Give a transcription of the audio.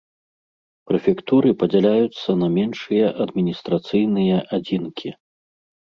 Прэфектуры падзяляюцца на меншыя адміністрацыйныя адзінкі.